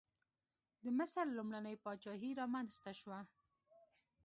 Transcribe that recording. د مصر لومړنۍ پاچاهي رامنځته شوه.